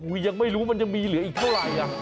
ยังไม่รู้มันยังมีเหลืออีกเท่าไหร่